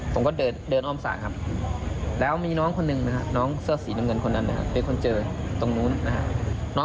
ผมก็เดินออมศาแล้วมีน้องหนึ่งนักเสือสีเงินคนนั้นมีคนเจอตรงโน้นนโน้น